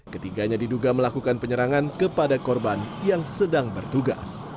ketiganya diduga melakukan penyerangan kepada korban yang sedang bertugas